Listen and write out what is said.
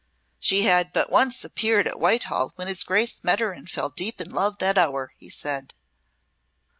"She had but once appeared at Whitehall when his Grace met her and fell deep in love that hour," he said.